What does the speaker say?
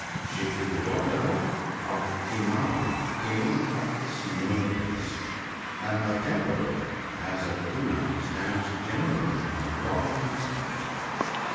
She is the daughter of Himala, King of the Snowy Hills ; and her temple, as at Poona, stands generally on a lofty spot.